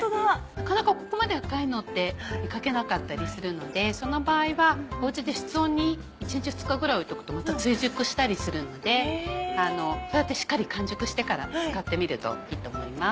なかなかここまで赤いのって見かけなかったりするのでその場合はお家で室温に１日２日ぐらい置いておくとまた追熟したりするのでそうやってしっかり完熟してから使ってみるといいと思います。